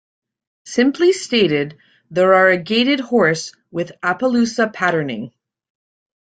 Simply stated, they are a gaited horse with Appaloosa patterning.